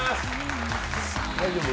大丈夫？